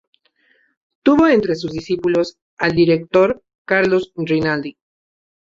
Tuvo entre sus discípulos al director Carlos Rinaldi.